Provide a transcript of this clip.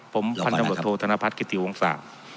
ผมพันธุ์บริษัทโทษธนพัฒน์กิติวงศา